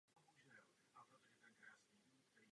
Dnes se opět začíná užívat.